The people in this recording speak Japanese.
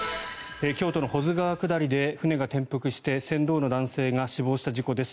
京都の保津川下りで船が転覆して船頭の男性が死亡した事故です。